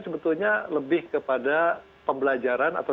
sebetulnya lebih kepada pembelajaran atau